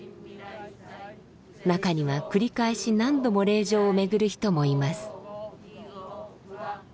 中には繰り返し何度も霊場を巡る人もいます。